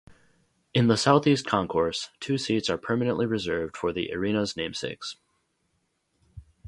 In the southeast concourse, two seats are permanently reserved for the arena's namesakes.